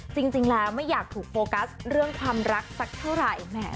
จริงแล้วไม่อยากถูกโฟกัสเรื่องความรักสักเท่าไหร่